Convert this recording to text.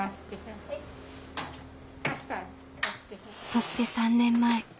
そして３年前。